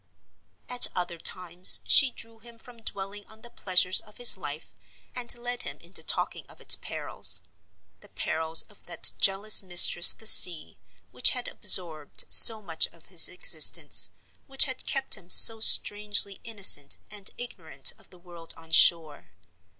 At other times she drew him from dwelling on the pleasures of his life, and led him into talking of its perils—the perils of that jealous mistress the sea, which had absorbed so much of his existence, which had kept him so strangely innocent and ignorant of the world on shore.